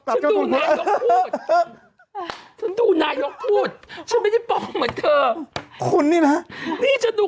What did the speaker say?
ผมดูนายกพูดฉันไม่ได้เป้าเหมือนเธอคนนี่นะนี่ฉันดูขอ